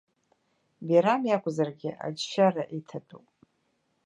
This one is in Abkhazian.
Бирам иакәзаргьы, аџьшьара иҭатәуп.